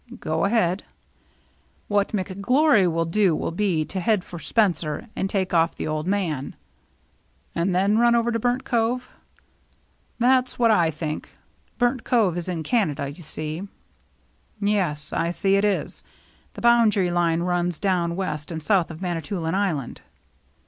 " Go ahead." " What McGlory will do will be to head for Spencer and take off the old man." " And then run over to Burnt Cove ?" 236 THE MERRT JNNE "That's what I think. Burnt Cove is in Canada, you see." "Yes, I see it is. The boundary line runs down west and south of Manitoulin Island."